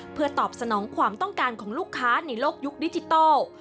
เพื่อตอบสนองความต้องการของลูกค้าในโลกยุคดิจิทัล